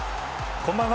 こんばんは。